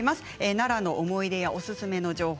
奈良の思い出やおすすめの情報